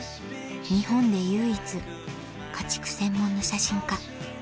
日本で唯一家畜専門の写真家